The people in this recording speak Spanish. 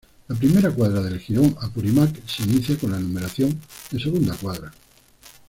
La primera cuadra del jirón Apurímac se inicia con la numeración de segunda cuadra.